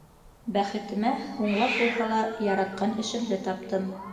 Бәхетемә, һуңлап булһа ла, яратҡан эшемде таптым.